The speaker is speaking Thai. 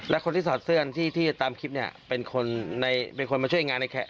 แล้วคนที่สอดเสื่อนที่ที่ตามคลิปเนี่ยเป็นคนในเป็นคนมาช่วยงานในแขก